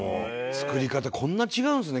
作り方こんな違うんですね